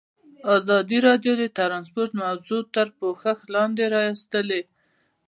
ازادي راډیو د ترانسپورټ موضوع تر پوښښ لاندې راوستې.